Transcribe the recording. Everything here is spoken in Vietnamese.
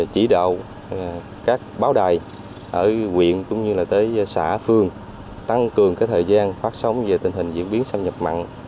chỉ đạo các báo đài ở quyện cũng như là tới xã phương tăng cường thời gian phát sóng về tình hình diễn biến xâm nhập mặn